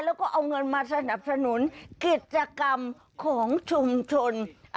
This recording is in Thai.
แล้วก็เอาเงินมาสนับสนุนกิจกรรมของชุมชน